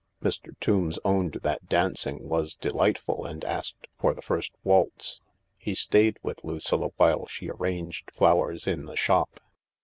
Mr. Tombs owned that dancing was delightful and asked for the first waltz. He stayed with Lucilla while she arranged flowers in the shop.